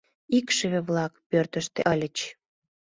Икшыве-влак пӧртыштӧ ыльыч.